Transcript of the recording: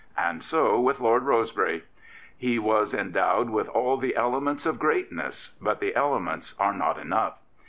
And so with Lord Rosebery. He was endowed with all the ele ments of greatness; but the elements are not enough.